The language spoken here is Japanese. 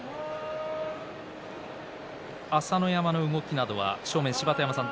朝乃山の動きなどは芝田山さん